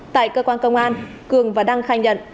tại cơ quan công an cường và đăng khai nhận